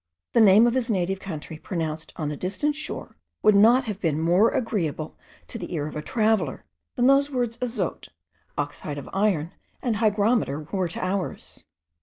The name of his native country pronounced on a distant shore would not have been more agreeable to the ear of a traveller, than those words azote, oxide of iron, and hygrometer, were to ours.